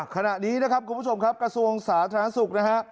ขณะนี้นะครับคุณผู้ชมครับกระทรวงสาธารณสุขนะฮะ